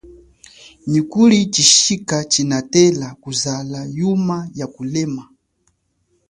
Nyi kuli chishika chinatela kuzala yuma ya kulema.